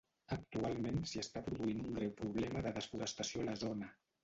Actualment s'hi està produint un greu problema de desforestació a la zona.